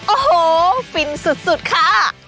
โอ้โหฟินสุดค่ะ